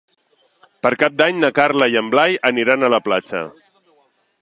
Per Cap d'Any na Carla i en Blai aniran a la platja.